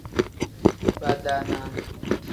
Badaanaa.